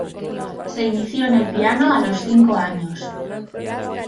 Se inició en el piano a los cinco años.